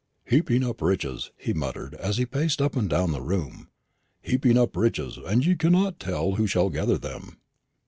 "Heaping up riches," he muttered, as he paced up and down the room; "heaping up riches, and ye cannot tell who shall gather them."